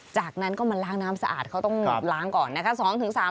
จากนั้นก็มาล้างน้ำสะอาดเขาต้องล้างก่อนนะคะ